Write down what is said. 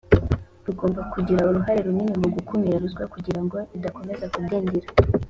rugomba kugira uruhare runini mu gukumira ruswa kugira ngo idakomeza kudindiza